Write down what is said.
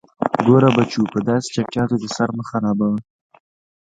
_ګوره بچو، په داسې چټياټو دې سر مه خرابوه.